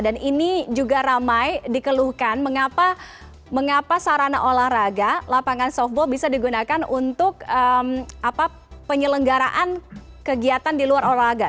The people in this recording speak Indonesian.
dan ini juga ramai dikeluhkan mengapa sarana olahraga lapangan softball bisa digunakan untuk penyelenggaraan kegiatan di luar olahraga